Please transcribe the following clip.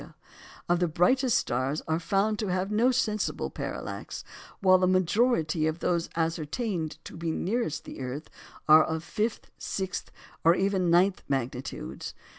Moreover, many of the brightest stars are found to have no sensible parallax, while the majority of those ascertained to be nearest to the earth are of fifth, sixth, even ninth magnitudes.